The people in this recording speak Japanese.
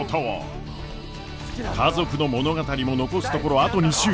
家族の物語も残すところあと２週！